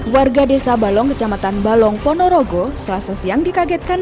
warga desa balong kecamatan balong ponorogo selasa siang dikagetkan